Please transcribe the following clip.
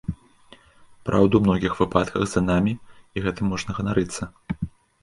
Праўда ў многіх выпадках за намі, і гэтым можна ганарыцца.